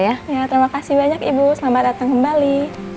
ya terima kasih banyak ibu selamat datang kembali